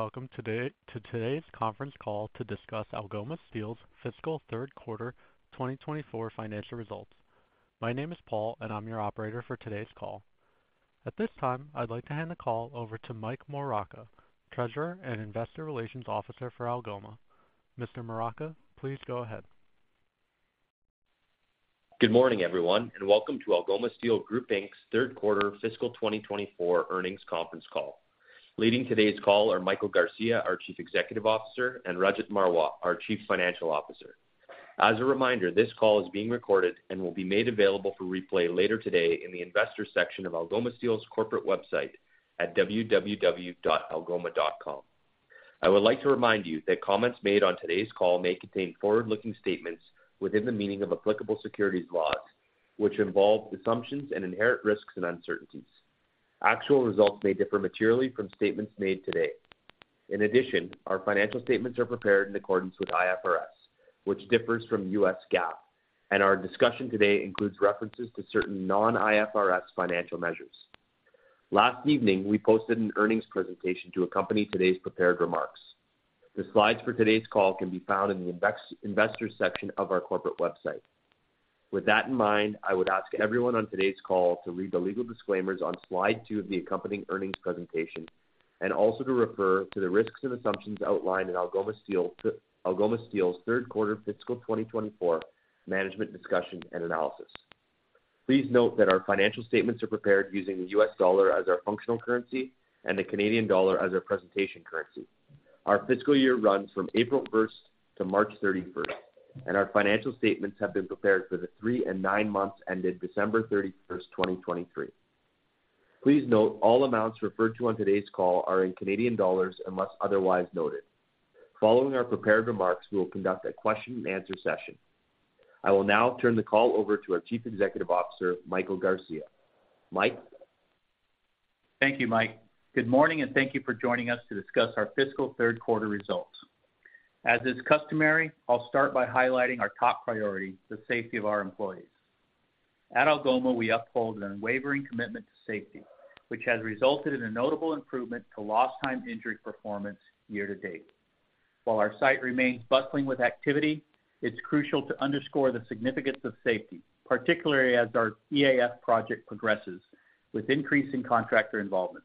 Hello, and welcome to today's Conference Call to discuss Algoma Steel's Fiscal Third Quarter 2024 Financial Results. My name is Paul, and I'm your operator for today's call. At this time, I'd like to hand the call over to Mike Moraca, Treasurer and Investor Relations Officer for Algoma. Mr. Moraca, please go ahead. Good morning, everyone, and welcome to Algoma Steel Group Inc.'s third quarter fiscal 2024 earnings conference call. Leading today's call are Michael Garcia, our Chief Executive Officer, and Rajat Marwah, our Chief Financial Officer. As a reminder, this call is being recorded and will be made available for replay later today in the Investors section of Algoma Steel's corporate website at www.algoma.com. I would like to remind you that comments made on today's call may contain forward-looking statements within the meaning of applicable securities laws, which involve assumptions and inherent risks and uncertainties. Actual results may differ materially from statements made today. In addition, our financial statements are prepared in accordance with IFRS, which differs from U.S. GAAP, and our discussion today includes references to certain non-IFRS financial measures. Last evening, we posted an earnings presentation to accompany today's prepared remarks. The slides for today's call can be found in the investors section of our corporate website. With that in mind, I would ask everyone on today's call to read the legal disclaimers on slide two of the accompanying earnings presentation, and also to refer to the risks and assumptions outlined in Algoma Steel's third quarter fiscal 2024 management discussion and analysis. Please note that our financial statements are prepared using the U.S. dollar as our functional currency and the Canadian dollar as our presentation currency. Our fiscal year runs from April 1st to March 31st, and our financial statements have been prepared for the three and nine months ended December 31st, 2023. Please note, all amounts referred to on today's call are in Canadian dollars unless otherwise noted. Following our prepared remarks, we will conduct a question-and-answer session. I will now turn the call over to our Chief Executive Officer, Michael Garcia. Mike? Thank you, Mike. Good morning, and thank you for joining us to discuss our fiscal third quarter results. As is customary, I'll start by highlighting our top priority, the safety of our employees. At Algoma, we uphold an unwavering commitment to safety, which has resulted in a notable improvement to lost time injury performance year to date. While our site remains bustling with activity, it's crucial to underscore the significance of safety, particularly as our EAF project progresses with increasing contractor involvement.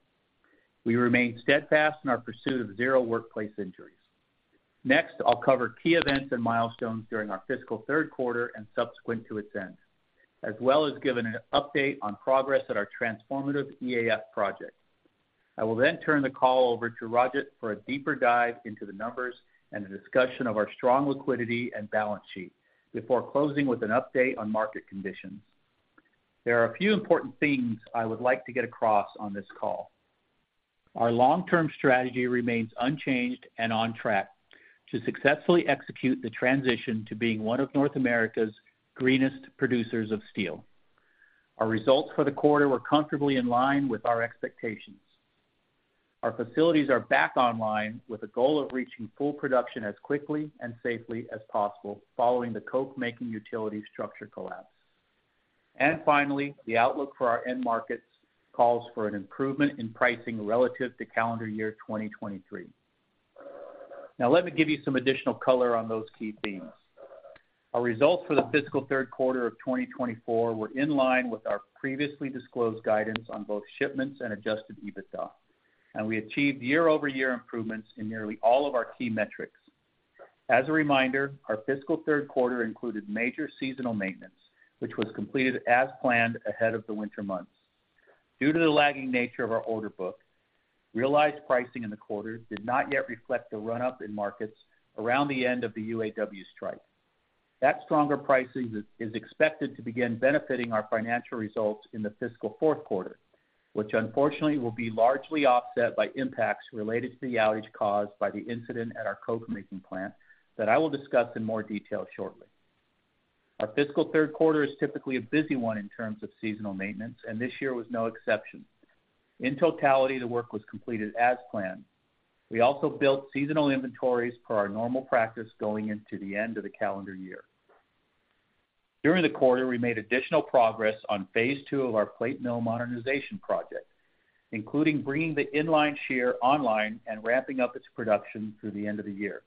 We remain steadfast in our pursuit of zero workplace injuries. Next, I'll cover key events and milestones during our fiscal third quarter and subsequent to its end, as well as give an update on progress at our transformative EAF project. I will then turn the call over to Rajat for a deeper dive into the numbers and a discussion of our strong liquidity and balance sheet before closing with an update on market conditions. There are a few important themes I would like to get across on this call. Our long-term strategy remains unchanged and on track to successfully execute the transition to being one of North America's greenest producers of steel. Our results for the quarter were comfortably in line with our expectations. Our facilities are back online, with a goal of reaching full production as quickly and safely as possible following the coke-making utility structure collapse. And finally, the outlook for our end markets calls for an improvement in pricing relative to calendar year 2023. Now, let me give you some additional color on those key themes. Our results for the fiscal third quarter of 2024 were in line with our previously disclosed guidance on both shipments and adjusted EBITDA, and we achieved year-over-year improvements in nearly all of our key metrics. As a reminder, our fiscal third quarter included major seasonal maintenance, which was completed as planned ahead of the winter months. Due to the lagging nature of our order book, realized pricing in the quarter did not yet reflect the run-up in markets around the end of the UAW Strike. That stronger pricing is expected to begin benefiting our financial results in the fiscal fourth quarter, which unfortunately will be largely offset by impacts related to the outage caused by the incident at our coke-making plant that I will discuss in more detail shortly. Our fiscal third quarter is typically a busy one in terms of seasonal maintenance, and this year was no exception. In totality, the work was completed as planned. We also built seasonal inventories per our normal practice going into the end of the calendar year. During the quarter, we made additional progress on Phase II of our plate mill modernization project, including bringing the in-line shear online and ramping up its production through the end of the year.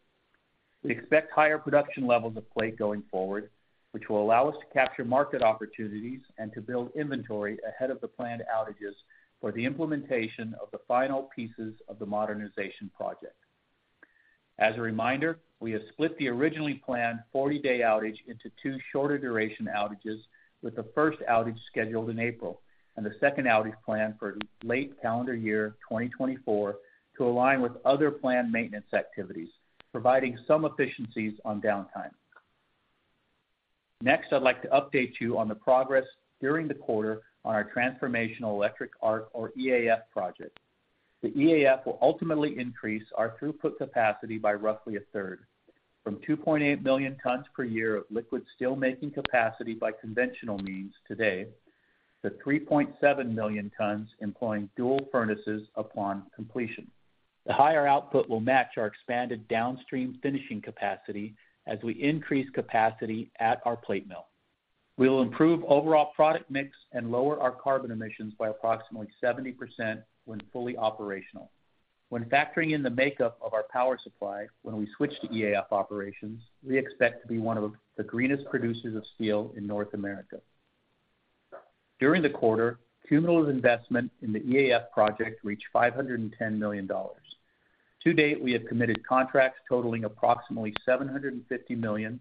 We expect higher production levels of plate going forward, which will allow us to capture market opportunities and to build inventory ahead of the planned outages for the implementation of the final pieces of the modernization project. As a reminder, we have split the originally planned 40-day outage into two shorter-duration outages, with the first outage scheduled in April and the second outage planned for late calendar year 2024 to align with other planned maintenance activities, providing some efficiencies on downtime. Next, I'd like to update you on the progress during the quarter on our transformational electric arc, or EAF, project. The EAF will ultimately increase our throughput capacity by roughly a third, from 2.8 million tons per year of liquid steelmaking capacity by conventional means today to 3.7 million tons employing dual furnaces upon completion. The higher output will match our expanded downstream finishing capacity as we increase capacity at our plate mill. We will improve overall product mix and lower our carbon emissions by approximately 70% when fully operational. When factoring in the makeup of our power supply, when we switch to EAF operations, we expect to be one of the greenest producers of steel in North America. During the quarter, cumulative investment in the EAF project reached $510 million. To date, we have committed contracts totaling approximately $750 million,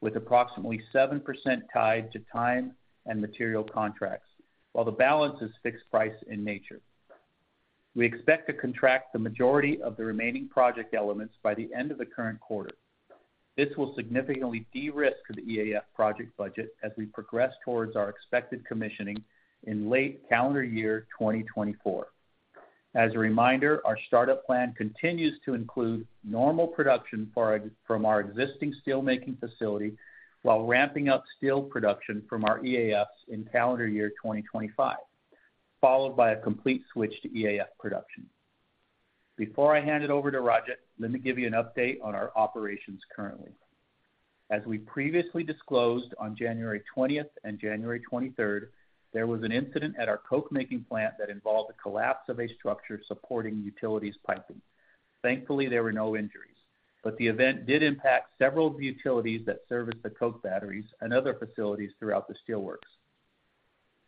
with approximately 7% tied to time and material contracts, while the balance is fixed price in nature. We expect to contract the majority of the remaining project elements by the end of the current quarter. This will significantly de-risk the EAF project budget as we progress towards our expected commissioning in late calendar year 2024. As a reminder, our startup plan continues to include normal production from our existing steelmaking facility, while ramping up steel production from our EAFs in calendar year 2025, followed by a complete switch to EAF production. Before I hand it over to Rajat, let me give you an update on our operations currently. As we previously disclosed on January 20th and January 23rd, there was an incident at our coke-making plant that involved the collapse of a structure supporting utilities piping. Thankfully, there were no injuries, but the event did impact several of the utilities that service the coke batteries and other facilities throughout the steelworks.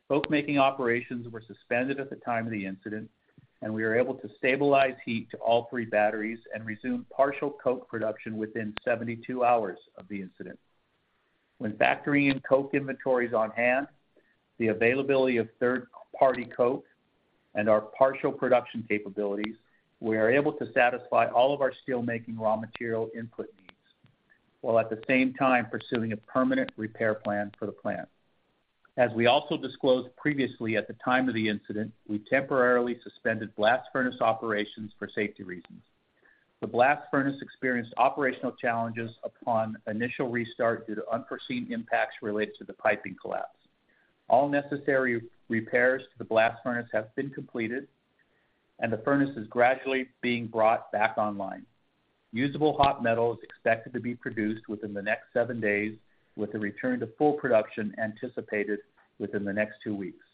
Coke-making operations were suspended at the time of the incident, and we were able to stabilize heat to all three batteries and resume partial coke production within 72 hours of the incident. When factoring in coke inventories on hand, the availability of third-party coke and our partial production capabilities, we are able to satisfy all of our steelmaking raw material input needs, while at the same time pursuing a permanent repair plan for the plant. As we also disclosed previously, at the time of the incident, we temporarily suspended blast furnace operations for safety reasons. The blast furnace experienced operational challenges upon initial restart due to unforeseen impacts related to the piping collapse. All necessary repairs to the blast furnace have been completed, and the furnace is gradually being brought back online. Usable hot metal is expected to be produced within the next seven days, with a return to full production anticipated within the next two weeks.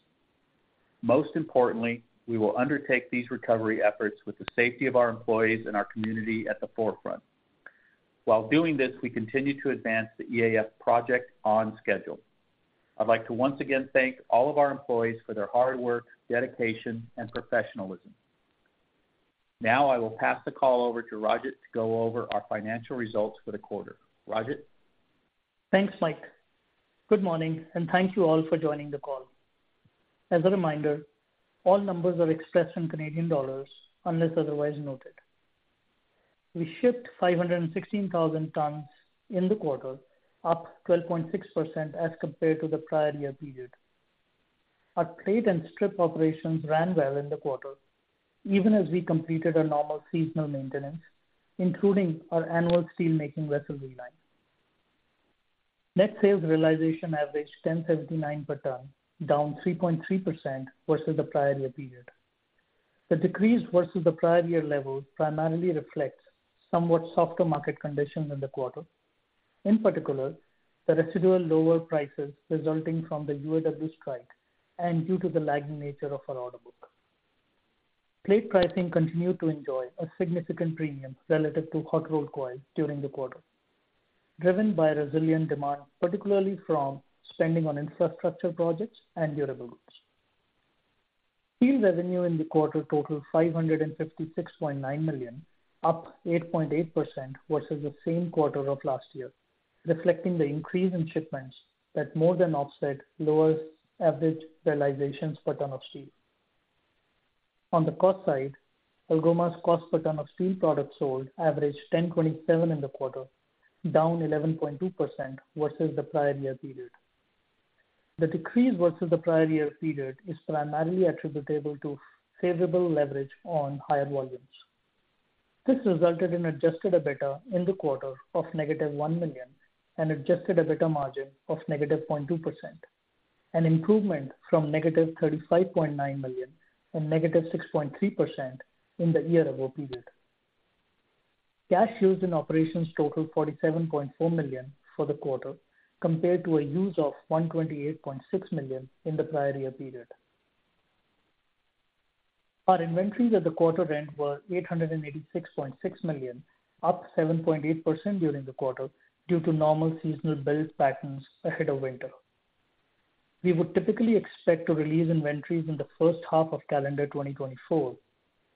Most importantly, we will undertake these recovery efforts with the safety of our employees and our community at the forefront. While doing this, we continue to advance the EAF project on schedule. I'd like to once again thank all of our employees for their hard work, dedication, and professionalism. Now, I will pass the call over to Rajat to go over our financial results for the quarter. Rajat? Thanks, Mike. Good morning, and thank you all for joining the call. As a reminder, all numbers are expressed in Canadian dollars unless otherwise noted. We shipped 516,000 tons in the quarter, up 12.6% as compared to the prior year period. Our plate and strip operations ran well in the quarter, even as we completed our normal seasonal maintenance, including our annual steelmaking resiliency line. Net sales realization averaged 1,079 per ton, down 3.3% versus the prior year period. The decrease versus the prior year level primarily reflects somewhat softer market conditions in the quarter. In particular, the residual lower prices resulting from the UAW strike and due to the lagging nature of our order book. Plate pricing continued to enjoy a significant premium relative to hot rolled coil during the quarter, driven by resilient demand, particularly from spending on infrastructure projects and durables. Steel revenue in the quarter totaled $556.9 million, up 8.8% versus the same quarter of last year, reflecting the increase in shipments that more than offset lower average realizations per ton of steel. On the cost side, Algoma's cost per ton of steel products sold averaged $1,027 in the quarter, down 11.2% versus the prior year period. The decrease versus the prior year period is primarily attributable to favorable leverage on higher volumes. This resulted in Adjusted EBITDA in the quarter of negative $1 million and Adjusted EBITDA margin of negative 0.2%, an improvement from negative $35.9 million and negative 6.3% in the year-ago period. Cash used in operations totaled $47.4 million for the quarter, compared to a use of $128.6 million in the prior year period. Our inventories at the quarter end were $886.6 million, up 7.8% during the quarter due to normal seasonal build patterns ahead of winter. We would typically expect to release inventories in the first half of calendar 2024,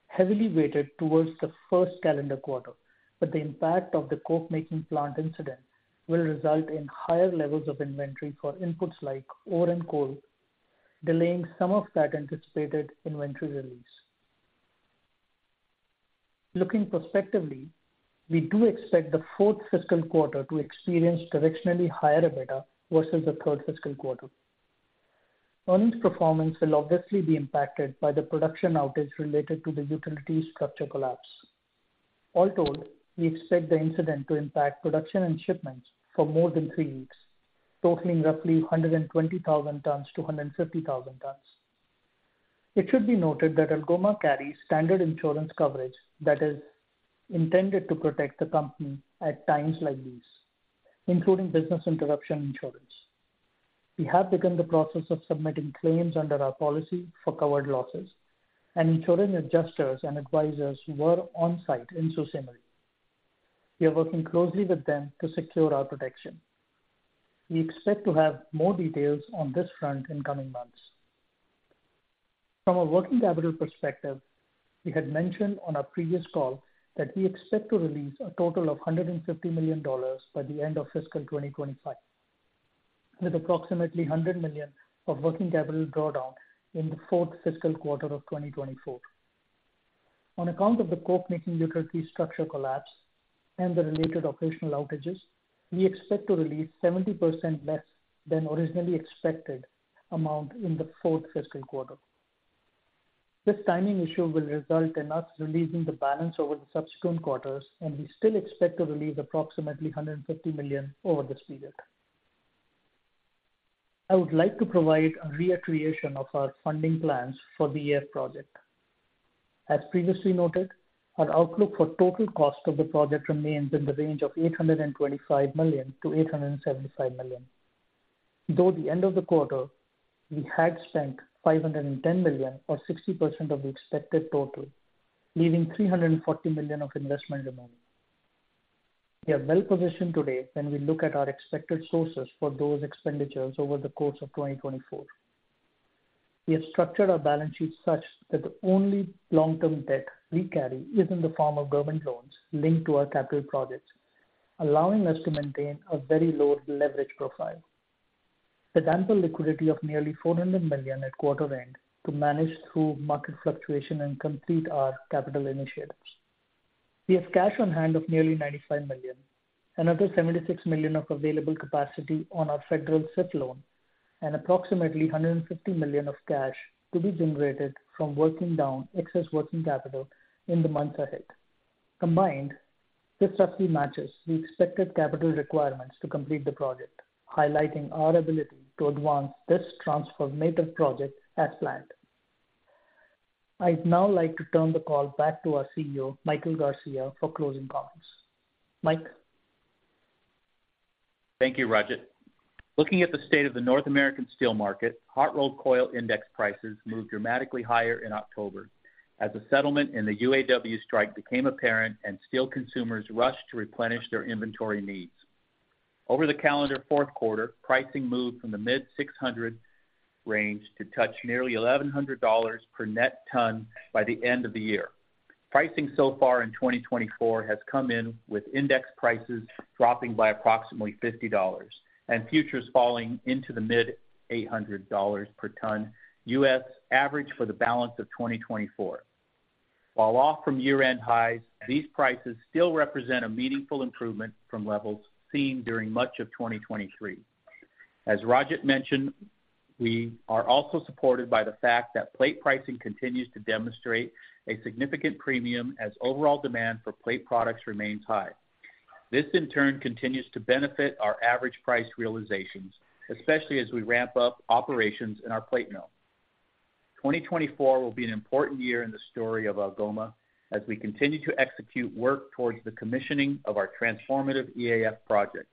heavily weighted towards the first calendar quarter, but the impact of the coke-making plant incident will result in higher levels of inventory for inputs like ore and coal, delaying some of that anticipated inventory release. Looking prospectively, we do expect the fourth fiscal quarter to experience directionally higher EBITDA versus the third fiscal quarter. Earnings performance will obviously be impacted by the production outage related to the utility structure collapse. All told, we expect the incident to impact production and shipments for more than three weeks, totaling roughly 120,000 tons-150,000 tons. It should be noted that Algoma carries standard insurance coverage that is intended to protect the company at times like these, including business interruption insurance. We have begun the process of submitting claims under our policy for covered losses, and insurance adjusters and advisers were on-site in Sault Ste. Marie. We are working closely with them to secure our protection. We expect to have more details on this front in coming months. From a working capital perspective, we had mentioned on our previous call that we expect to release a total of 150 million dollars by the end of fiscal 2025, with approximately 100 million of working capital drawdown in the fourth fiscal quarter of 2024. On account of the coke making utility structure collapse and the related operational outages, we expect to release 70% less than originally expected amount in the fourth fiscal quarter. This timing issue will result in us releasing the balance over the subsequent quarters, and we still expect to release approximately 150 million over this period. I would like to provide a re-creation of our funding plans for the year project. As previously noted, our outlook for total cost of the project remains in the range of 825 million-875 million. Though at the end of the quarter, we had spent 510 million, or 60% of the expected total, leaving 340 million of investment amount. We are well positioned today when we look at our expected sources for those expenditures over the course of 2024. We have structured our balance sheet such that the only long-term debt we carry is in the form of government loans linked to our capital projects, allowing us to maintain a very low leverage profile. The ample liquidity of nearly 400 million at quarter end to manage through market fluctuation and complete our capital initiatives. We have cash on hand of nearly 95 million, another 76 million of available capacity on our federal SIF loan, and approximately 150 million of cash to be generated from working down excess working capital in the months ahead. Combined, this roughly matches the expected capital requirements to complete the project, highlighting our ability to advance this transformative project as planned. I'd now like to turn the call back to our CEO, Michael Garcia, for closing comments. Mike? Thank you, Rajat. Looking at the state of the North American steel market, hot rolled coil index prices moved dramatically higher in October as a settlement in the UAW Strike became apparent and steel consumers rushed to replenish their inventory needs. Over the calendar fourth quarter, pricing moved from the mid $600 range to touch nearly $1,100 per net ton by the end of the year. Pricing so far in 2024 has come in with index prices dropping by approximately $50 and futures falling into the mid $800 per ton, U.S. average for the balance of 2024. While off from year-end highs, these prices still represent a meaningful improvement from levels seen during much of 2023. As Rajat mentioned, we are also supported by the fact that plate pricing continues to demonstrate a significant premium as overall demand for plate products remains high. This, in turn, continues to benefit our average price realizations, especially as we ramp up operations in our plate mill. 2024 will be an important year in the story of Algoma as we continue to execute work towards the commissioning of our transformative EAF project.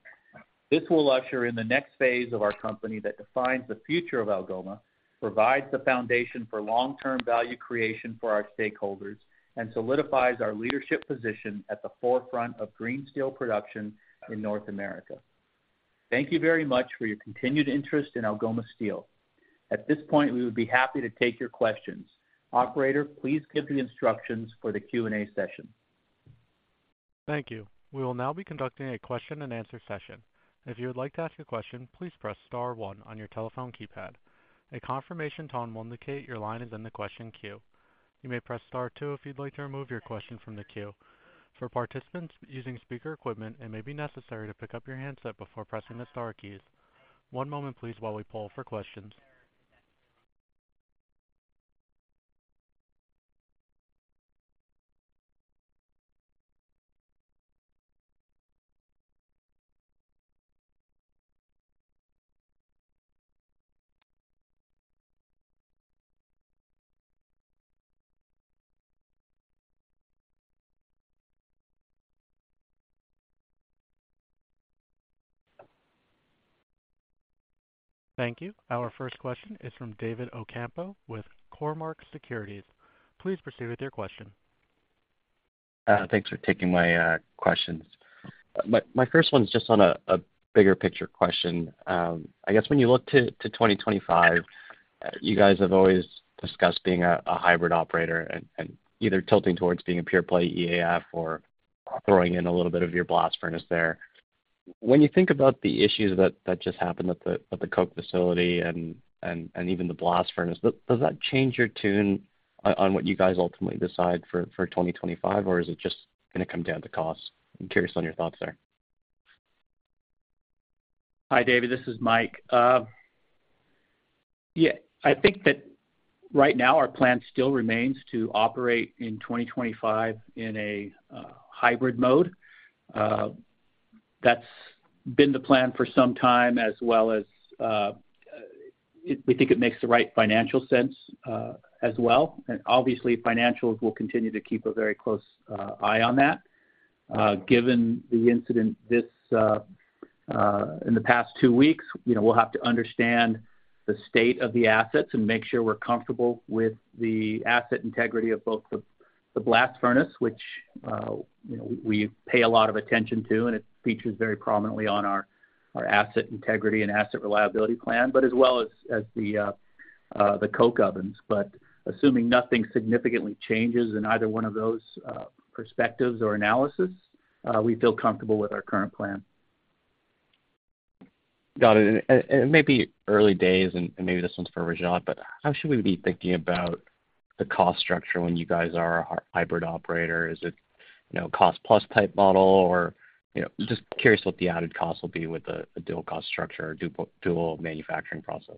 This will usher in the next phase of our company that defines the future of Algoma, provides the foundation for long-term value creation for our stakeholders, and solidifies our leadership position at the forefront of green steel production in North America. Thank you very much for your continued interest in Algoma Steel. At this point, we would be happy to take your questions. Operator, please give the instructions for the Q&A session. Thank you. We will now be conducting a question-and-answer session. If you would like to ask a question, please press star one on your telephone keypad. A confirmation tone will indicate your line is in the question queue. You may press Star two if you'd like to remove your question from the queue. For participants using speaker equipment, it may be necessary to pick up your handset before pressing the star keys. One moment, please, while we poll for questions. Thank you. Our first question is from David Ocampo with Cormark Securities. Please proceed with your question. Thanks for taking my questions. My first one is just on a bigger picture question. I guess when you look to 2025, you guys have always discussed being a hybrid operator and either tilting towards being a pure play EAF or throwing in a little bit of your blast furnace there. When you think about the issues that just happened at the coke facility and even the blast furnace, does that change your tune on what you guys ultimately decide for 2025? Or is it just gonna come down to cost? I'm curious on your thoughts there. Hi, David, this is Mike. Yeah, I think that right now our plan still remains to operate in 2025 in a hybrid mode. That's been the plan for some time, as well as we think it makes the right financial sense, as well. And obviously, financials will continue to keep a very close eye on that. Given the incident this in the past two weeks, you know, we'll have to understand the state of the assets and make sure we're comfortable with the asset integrity of both the blast furnace, which, you know, we pay a lot of attention to, and it features very prominently on our our asset integrity and asset reliability plan, but as well as the coke ovens. Assuming nothing significantly changes in either one of those perspectives or analysis, we feel comfortable with our current plan. Got it. And it may be early days, and maybe this one's for Rajat, but how should we be thinking about the cost structure when you guys are a hybrid operator? Is it, you know, cost plus type model, or, you know, just curious what the added cost will be with a dual cost structure or dual manufacturing process?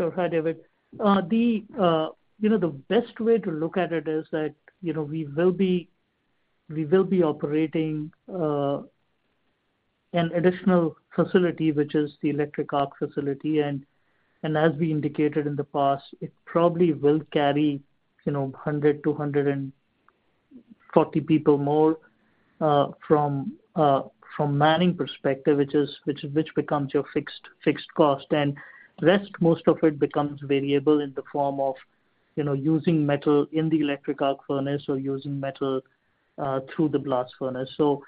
So hi, David. The best way to look at it is that, you know, we will be operating an additional facility, which is the electric arc facility. And as we indicated in the past, it probably will carry, you know, 100-140 people more from manning perspective, which becomes your fixed cost. And rest, most of it becomes variable in the form of, you know, using metal in the electric arc furnace or using metal through the blast furnace. So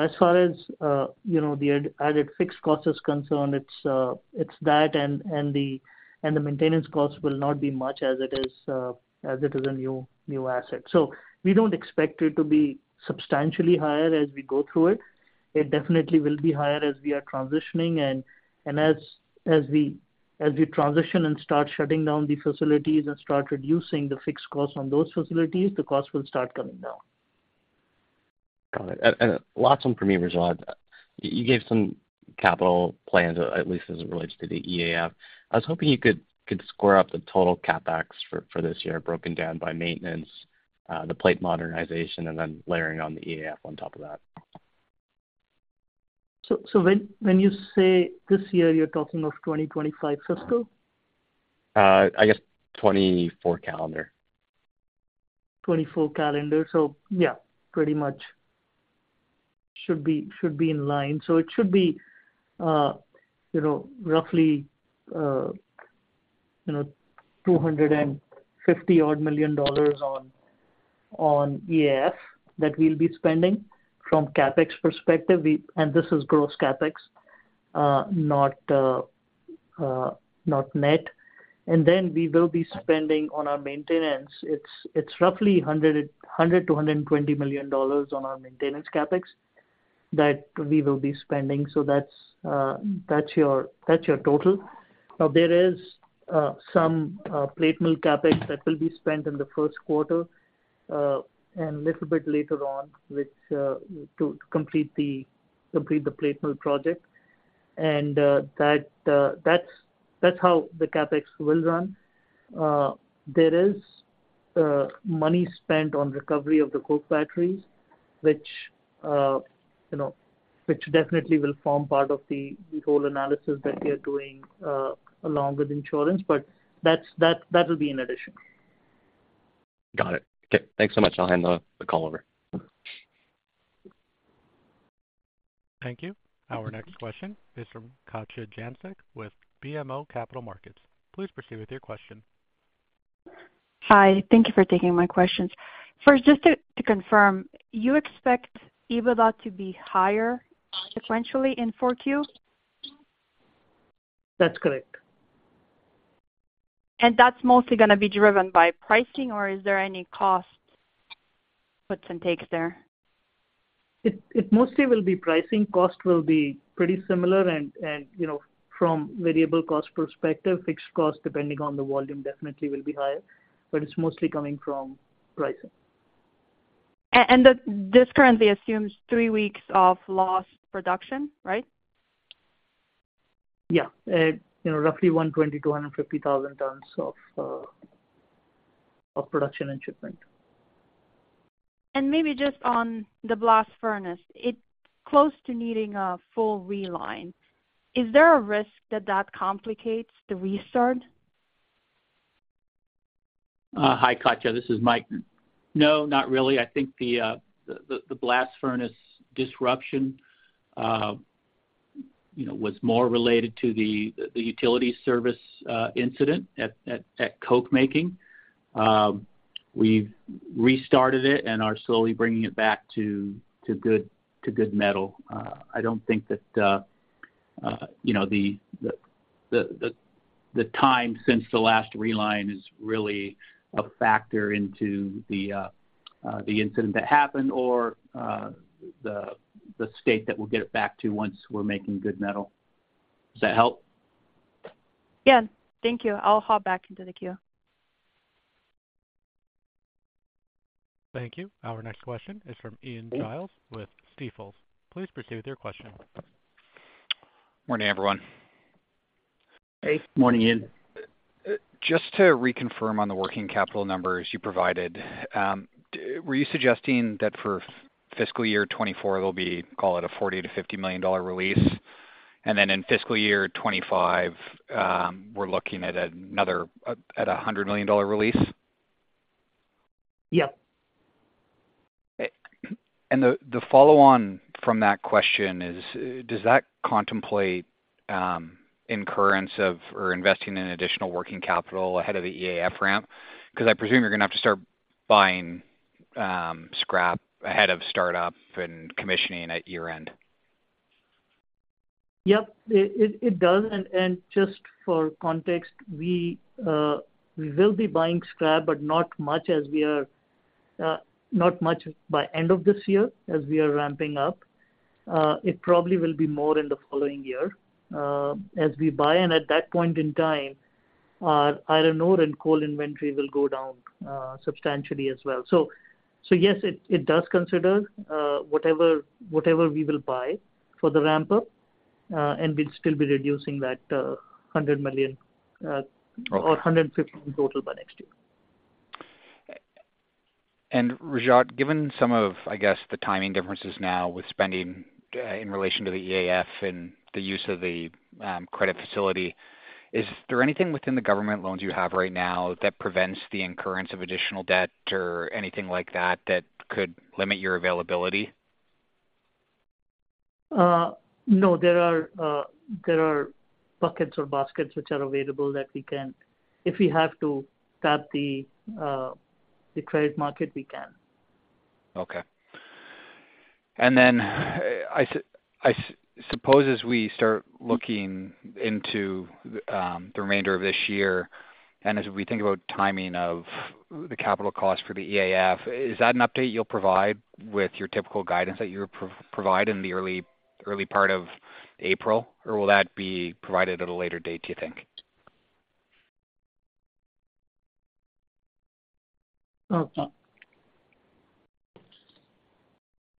as far as the added fixed cost is concerned, it's that and the maintenance cost will not be much as it is a new asset. So we don't expect it to be substantially higher as we go through it. It definitely will be higher as we are transitioning. And as we transition and start shutting down the facilities and start reducing the fixed costs on those facilities, the costs will start coming down. Got it. And last one for me, Rajat. You gave some capital plans, at least as it relates to the EAF. I was hoping you could square up the total CapEx for this year, broken down by maintenance, the plate modernization, and then layering on the EAF on top of that. So, when you say this year, you're talking of 2025, fiscal? I guess 2024 calendar. 2024 calendar. So yeah, pretty much should be in line. So it should be, you know, roughly, you know, $250 million on EAF that we'll be spending from CapEx perspective. We and this is gross CapEx, not net. And then we will be spending on our maintenance. It's roughly $100-$120 million on our maintenance CapEx that we will be spending. So that's your total. Now, there is some plate mill CapEx that will be spent in the first quarter and little bit later on, which to complete the plate mill project, and that that's how the CapEx will run. There is money spent on recovery of the coke batteries, which you know, which definitely will form part of the whole analysis that we are doing, along with insurance, but that will be in addition. Got it. Okay, thanks so much. I'll hand the call over. Thank you. Our next question is from Katja Jancic with BMO Capital Markets. Please proceed with your question. Hi, thank you for taking my questions. First, just to confirm, you expect EBITDA to be higher sequentially in 4Q? That's correct. That's mostly gonna be driven by pricing, or is there any cost, puts and takes there? It mostly will be pricing. Cost will be pretty similar, you know, from variable cost perspective, fixed cost, depending on the volume, definitely will be higher, but it's mostly coming from pricing. This currently assumes three weeks of lost production, right? Yeah, you know, roughly 120-250,000 tons of production and shipment. Maybe just on the blast furnace, it's close to needing a full reline. Is there a risk that that complicates the restart? Hi, Katja, this is Mike. No, not really. I think the blast furnace disruption, you know, was more related to the utility service incident at coke making. We've restarted it and are slowly bringing it back to good metal. I don't think that, you know, the time since the last reline is really a factor into the incident that happened or the state that we'll get it back to once we're making good metal. Does that help? Yeah. Thank you. I'll hop back into the queue. Thank you. Our next question is from Ian Gillies with Stifel. Please proceed with your question. Morning, everyone.... Hey, morning, Ian. Just to reconfirm on the working capital numbers you provided, were you suggesting that for fiscal year 2024, there'll be, call it, a $40 million-$50 million release? And then in fiscal year 2025, we're looking at another, at a $100 million release? Yep. And the follow on from that question is, does that contemplate incurrence of, or investing in additional working capital ahead of the EAF ramp? Because I presume you're gonna have to start buying scrap ahead of startup and commissioning at year-end. Yep, it does. And just for context, we will be buying scrap, but not much as we are not much by end of this year, as we are ramping up. It probably will be more in the following year, as we buy, and at that point in time, our iron ore and coal inventory will go down substantially as well. So yes, it does consider whatever we will buy for the ramp-up, and we'll still be reducing that $100 million or $150 million total by next year. Rajat, given some of, I guess, the timing differences now with spending, in relation to the EAF and the use of the credit facility, is there anything within the government loans you have right now that prevents the incurrence of additional debt or anything like that, that could limit your availability? No, there are buckets or baskets which are available that we can, if we have to tap the credit market, we can. Okay. And then, I suppose as we start looking into the remainder of this year, and as we think about timing of the capital costs for the EAF, is that an update you'll provide with your typical guidance that you provide in the early part of April? Or will that be provided at a later date, do you think?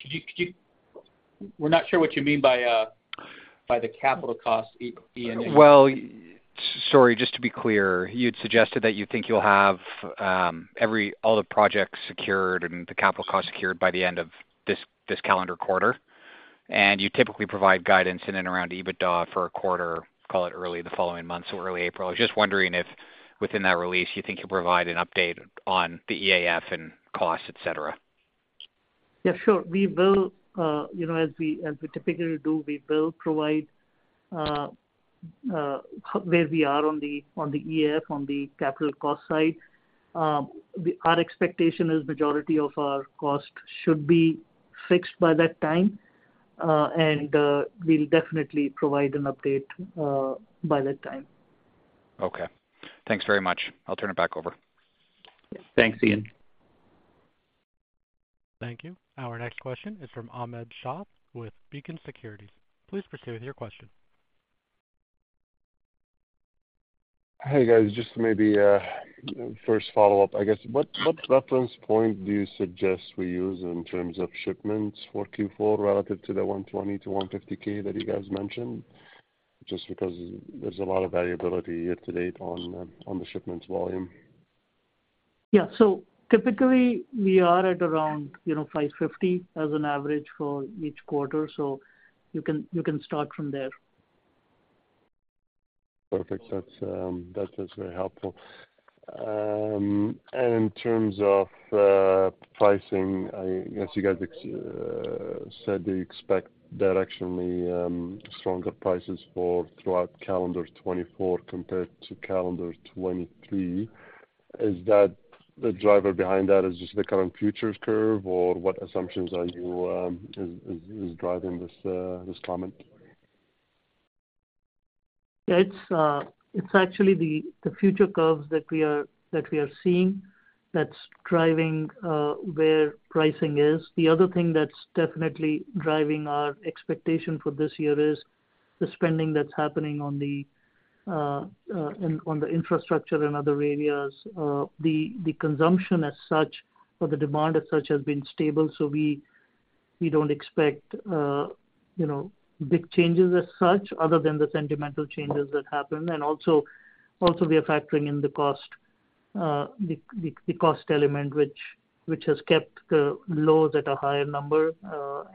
Could you— We're not sure what you mean by the capital cost EAF. Well, sorry, just to be clear, you'd suggested that you think you'll have all the projects secured and the capital costs secured by the end of this calendar quarter. And you typically provide guidance in and around EBITDA for a quarter, call it early the following month, so early April. I was just wondering if, within that release, you think you'll provide an update on the EAF and costs, et cetera? Yeah, sure. We will, you know, as we typically do, we will provide where we are on the EAF, on the capital cost side. Our expectation is majority of our cost should be fixed by that time, and we'll definitely provide an update by that time. Okay. Thanks very much. I'll turn it back over. Thanks, Ian. Thank you. Our next question is from Ahmad Shaath with Beacon Securities. Please proceed with your question. Hey, guys, just maybe first follow-up, I guess. What, what reference point do you suggest we use in terms of shipments for Q4 relative to the 120,000-150,000 that you guys mentioned? Just because there's a lot of variability year-to-date on the shipments volume. Yeah. So typically, we are at around, you know, $550 as an average for each quarter. So you can, you can start from there. Perfect. That's just very helpful. And in terms of pricing, I guess you guys said you expect directionally stronger prices for throughout calendar 2024 compared to calendar 2023. Is that the driver behind that is just the current futures curve, or what assumptions are you is driving this comment? It's actually the future curves that we are seeing that's driving where pricing is. The other thing that's definitely driving our expectation for this year is the spending that's happening on the infrastructure and other areas. The consumption as such or the demand as such has been stable, so we don't expect, you know, big changes as such, other than the sentiment changes that happen. And we are factoring in the cost element, which has kept the lows at a higher number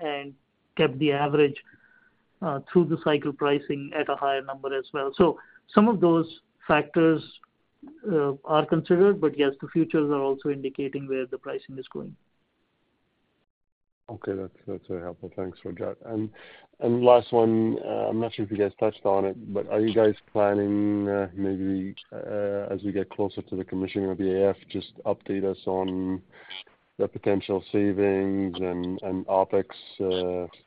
and kept the average through the cycle pricing at a higher number as well. So some of those factors are considered, but yes, the futures are also indicating where the pricing is going. Okay. That's, that's very helpful. Thanks, Rajat. And last one, I'm not sure if you guys touched on it, but are you guys planning, maybe, as we get closer to the commissioning of the EAF, just update us on the potential savings and OpEx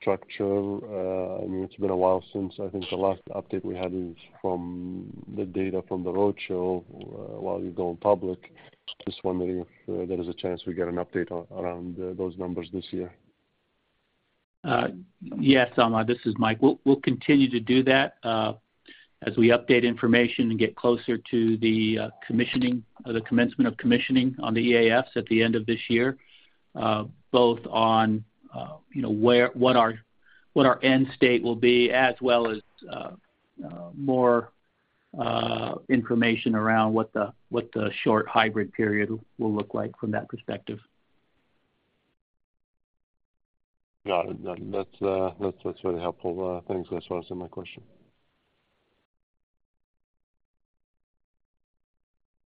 structure? I mean, it's been a while since I think the last update we had is from the data from the roadshow, while you go public. Just wondering if there is a chance we get an update around those numbers this year. Yes, Ahmad, this is Mike. We'll continue to do that as we update information and get closer to the commissioning or the commencement of commissioning on the EAFs at the end of this year, both on you know where what our end state will be, as well as more-... information around what the short hybrid period will look like from that perspective. Got it. That's really helpful. Thanks. That answers my question.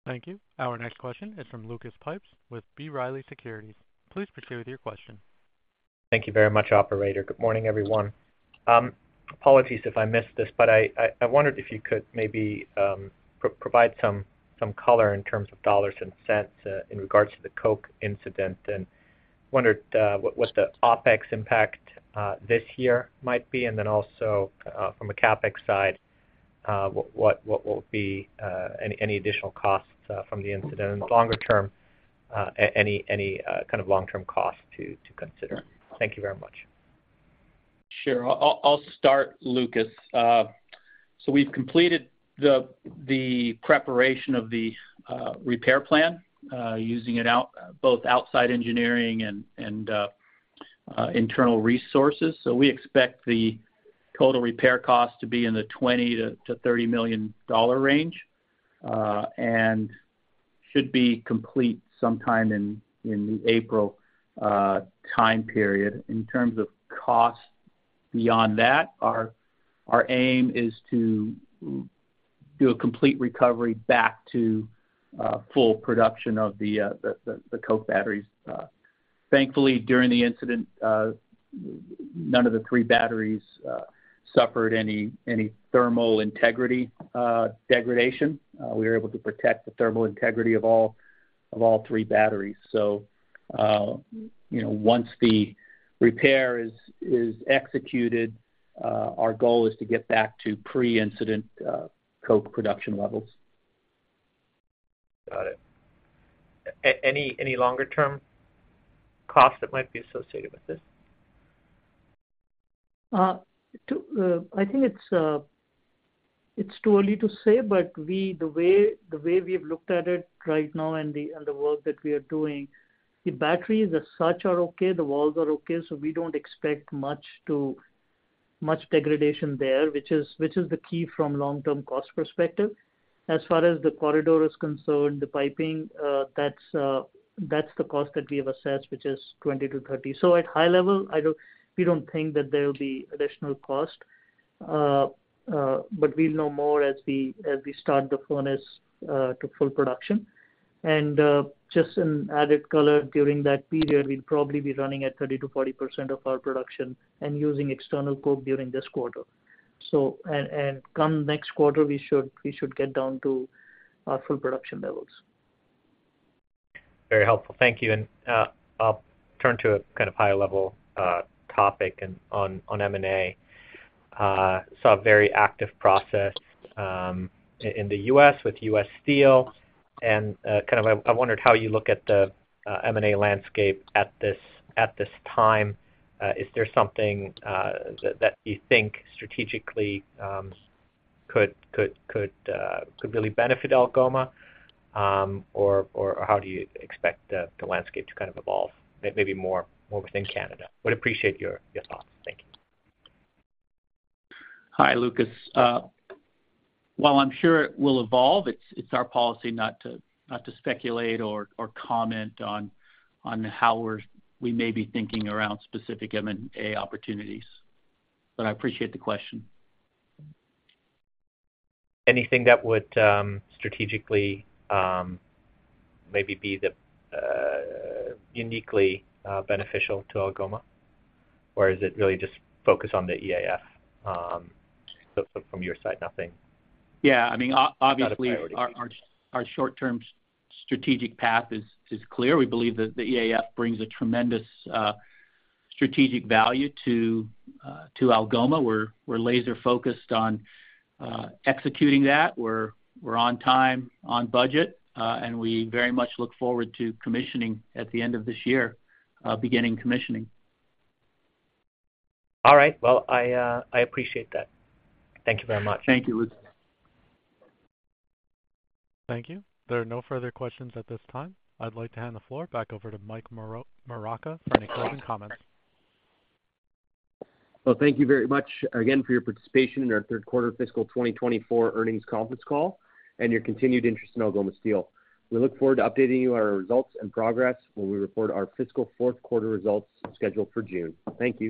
Thank you. Our next question is from Lucas Pipes with B. Riley Securities. Please proceed with your question. Thank you very much, operator. Good morning, everyone. Apologies if I missed this, but I wondered if you could maybe provide some color in terms of dollars and cents in regards to the coke incident. And wondered what the OpEx impact this year might be, and then also from a CapEx side, what will be any additional costs from the incident, and longer term any kind of long-term costs to consider? Thank you very much. Sure. I'll start, Lucas. So we've completed the preparation of the repair plan using both outside engineering and internal resources. So we expect the total repair cost to be in the $20 million-$30 million range and should be complete sometime in the April time period. In terms of costs beyond that, our aim is to do a complete recovery back to full production of the coke batteries. Thankfully, during the incident, none of the three batteries suffered any thermal integrity degradation. We were able to protect the thermal integrity of all three batteries. So, you know, once the repair is executed, our goal is to get back to pre-incident coke production levels. Got it. Any longer-term costs that might be associated with this? I think it's too early to say, but the way we've looked at it right now and the work that we are doing, the batteries as such are okay, the walls are okay, so we don't expect much degradation there, which is the key from long-term cost perspective. As far as the corridor is concerned, the piping, that's the cost that we have assessed, which is 20-30. So at high level, we don't think that there will be additional cost. But we'll know more as we start the furnace to full production. And just an added color, during that period, we'll probably be running at 30%-40% of our production and using external coke during this quarter. Come next quarter, we should get down to full production levels. Very helpful. Thank you. And, I'll turn to a kind of high-level topic on M&A. Saw a very active process in the U.S. with U.S. Steel and kind of, I wondered how you look at the M&A landscape at this time. Is there something that you think strategically could really benefit Algoma? Or how do you expect the landscape to kind of evolve, maybe more within Canada? Would appreciate your thoughts. Thank you. Hi, Lucas. While I'm sure it will evolve, it's our policy not to speculate or comment on how we may be thinking around specific M&A opportunities, but I appreciate the question. Anything that would strategically maybe be uniquely beneficial to Algoma? Or is it really just focused on the EAF? So from your side, nothing. Yeah, I mean, obviously- Not a priority. Our short-term strategic path is clear. We believe that the EAF brings a tremendous strategic value to Algoma. We're laser focused on executing that. We're on time, on budget, and we very much look forward to commissioning at the end of this year, beginning commissioning. All right. Well, I, I appreciate that. Thank you very much. Thank you, Lucas. Thank you. There are no further questions at this time. I'd like to hand the floor back over to Mike Moraca for any closing comments. Well, thank you very much again for your participation in our third quarter fiscal 2024 earnings conference call, and your continued interest in Algoma Steel. We look forward to updating you on our results and progress when we report our fiscal fourth quarter results, scheduled for June. Thank you.